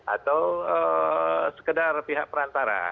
atau sekedar pihak perantara